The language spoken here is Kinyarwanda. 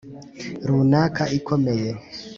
runaka ikomeye